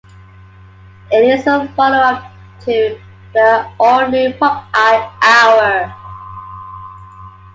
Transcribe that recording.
It is a follow-up to The All New Popeye Hour.